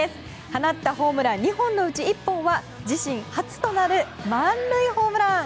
放ったホームラン２本のうち１本は自身初となる満塁ホームラン！